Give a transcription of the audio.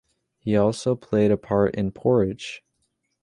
He also played a part in "Porridge".